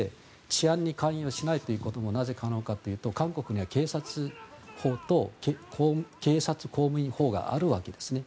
治安に関与しないっていうこともなぜ可能かというと韓国には警察法と警察公務員法があるわけですね。